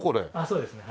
そうですねはい。